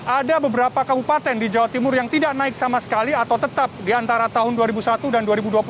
ada beberapa kabupaten di jawa timur yang tidak naik sama sekali atau tetap di antara tahun dua ribu satu dan dua ribu dua puluh satu